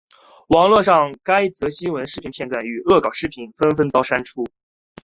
网路上该则新闻的视频片段与恶搞视频纷纷遭删除。